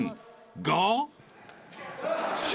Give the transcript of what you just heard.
［が］